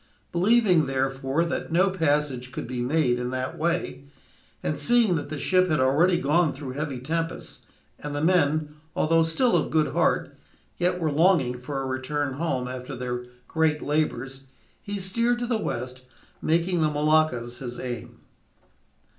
Believing, therefore, that no passage could be made in that way, and seeing that the ship had already gone through heavy tempests, and the men, although still of good heart, yet were longing for a return home after their great labors, he steered to the west, making the Moluccas his aim.